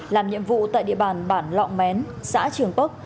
làm nhiệm vụ tại địa bàn bản lọng mén xã trường bắc